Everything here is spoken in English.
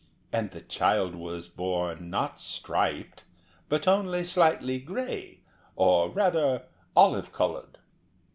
And the child was born not striped, but only slightly grey, or rather olive coloured.